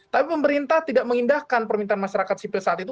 tapi pemerintah tidak mengindahkan permintaan masyarakat sipil saat itu